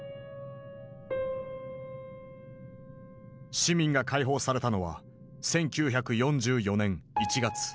市民が解放されたのは１９４４年１月。